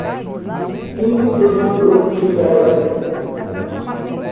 interlocutória